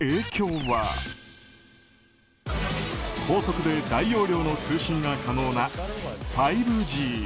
高速で大容量の通信が可能な５Ｇ。